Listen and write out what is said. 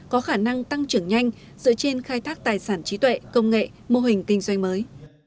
có khả năng tăng trưởng nhanh dựa trên khai thác tài sản trí tuệ công nghệ mô hình kinh doanh mới